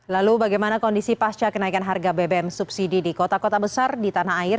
lalu bagaimana kondisi pasca kenaikan harga bbm subsidi di kota kota besar di tanah air